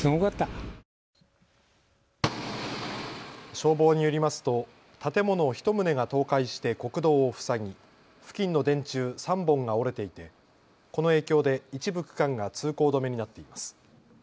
消防によりますと建物１棟が倒壊して国道を塞ぎ付近の電柱３本が折れていてこの影響で一部区間が通行止めになっています。